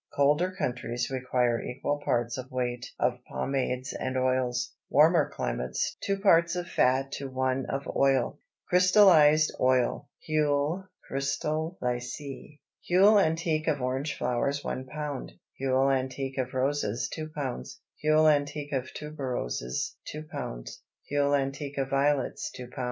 Colder countries require equal parts by weight of pomades and oils; warmer climates, two parts of fat to one of oil. CRYSTALLIZED OIL (HUILE CRYSTALLISÉE). Huile antique of orange flowers 1 lb. Huile antique of roses 2 lb. Huile antique of tuberoses 2 lb. Huile antique of violets 2 lb.